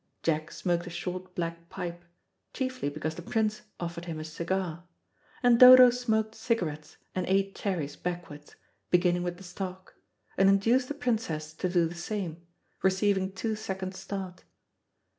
Jack smoked a short black pipe, chiefly because the Prince offered him a cigar, and Dodo smoked cigarettes and ate cherries backwards, beginning with the stalk, and induced the Princess to do the same, receiving two seconds' start.